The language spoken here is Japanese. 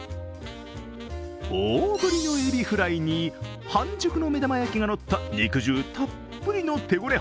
大ぶりのエビフライに半熟の目玉焼きがのった肉汁たっぷりの手ごね